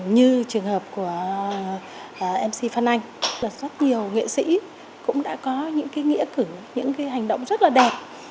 như trường hợp của mc phan anh và rất nhiều nghệ sĩ cũng đã có những nghĩa cử những hành động rất là đẹp